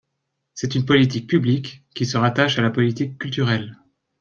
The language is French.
C’est une politique publique, qui se rattache à la politique culturelle.